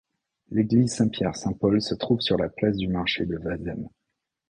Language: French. L'église Saint-Pierre-Saint-Paul se trouve sur la place du marché de Wazemmes.